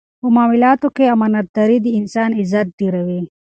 په معاملاتو کې امانتداري د انسان عزت ډېروي.